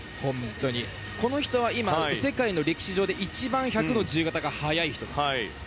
この人は今、世界の歴史上で一番１００の自由形が速い人です。